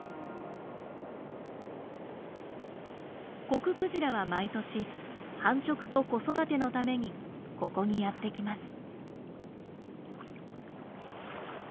コククジラは毎年繁殖と子育てのためにここにやって来ます。